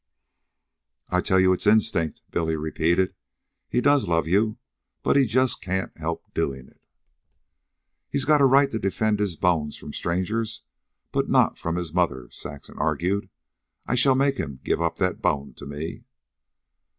"I tell you it's instinct," Billy repeated. "He does love you, but he just can't help doin' it." "He's got a right to defend his bones from strangers but not from his mother," Saxon argued. "I shall make him give up that bone to me."